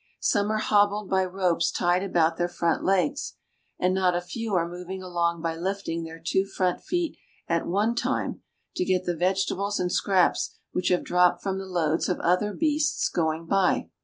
Some are hobbled by ropes tied about their front legs, and not a few are moving along by Hfting their two front feet at one time, to get the vegetables and scraps which have dropped from the loads of other beasts going by.